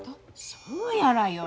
そうやらよ。